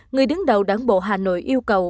người đứng đầu đảng bộ hà nội yêu cầu